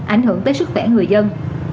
ảnh hưởng tới sức khỏe người dân